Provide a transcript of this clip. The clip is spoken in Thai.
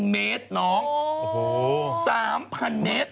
๓๐๐๐เมตรน้อง๓๐๐๐เมตร